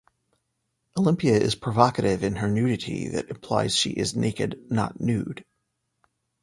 Olympia is provocative in her nudity that implies she is naked, not nude.